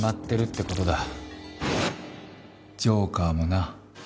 ジョーカーもな。